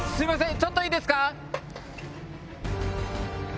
ちょっといいですか？